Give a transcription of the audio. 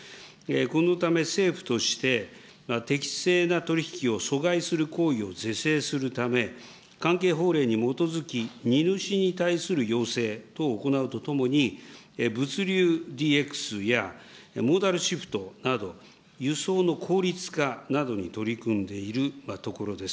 このため、政府として適正な取り引きを阻害する行為を是正するため、関係法令に基づき荷主に対する要請等を行うとともに、物流ＤＸやシフトなど、輸送の効率化などに取り組んでいるところです。